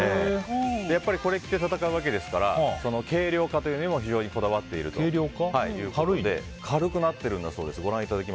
これを着て戦うわけですから軽量化という面も非常にこだわっているということで軽くなっているんだそうです。